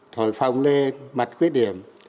thổi phòng lê mặt khuyết điểm